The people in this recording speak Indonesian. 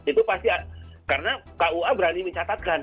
itu pasti karena kua berani mencatatkan